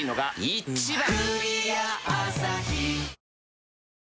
一番。